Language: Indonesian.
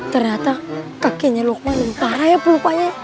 ternyata kakeknya lukman lebih parah ya perlupanya